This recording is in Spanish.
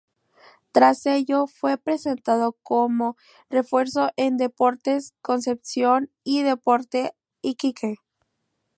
Tras ello fue presentado como refuerzo en Deportes Concepción y Deportes Iquique.